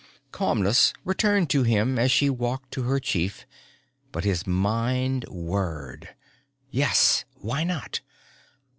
Calmness returned to him as she walked to her chief but his mind whirred. Yes, why not?